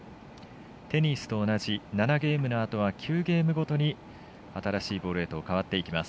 テニスと同じ７ゲームのあとは９ゲームごとに新しいボールへと変わっていきます。